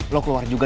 lo keluar juga